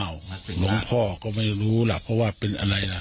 หลวงพ่อก็ไม่รู้ล่ะเพราะว่าเป็นอะไรล่ะ